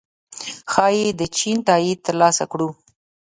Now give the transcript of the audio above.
ښايي د چین تائید ترلاسه کړو